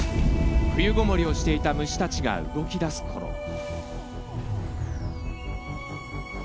冬ごもりをしていた虫たちが動き出すころ。